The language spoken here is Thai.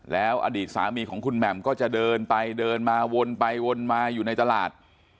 แล้วอดีตสามีของคุณแหม่มก็จะเดินไปเดินมาวนไปวนมาอยู่ในตลาด